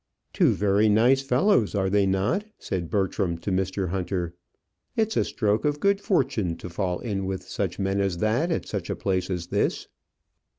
"Two very nice fellows, are they not?" said Bertram to Mr. Hunter. "It's a stroke of good fortune to fall in with such men as that at such a place as this."